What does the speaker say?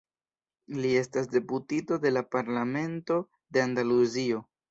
Li estas deputito de la Parlamento de Andaluzio.